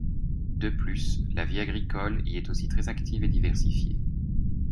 De plus, la vie agricole y est aussi très active et diversifiée.